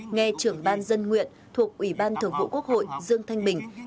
nghe trưởng ban dân nguyện thuộc ủy ban thường vụ quốc hội dương thanh bình